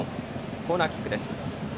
コーナーキックです。